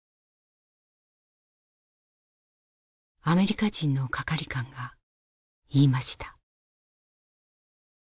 アメリカ人の係官が言いました。